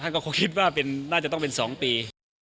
ก็คงคิดว่าน่าจะต้องเป็น๒ปี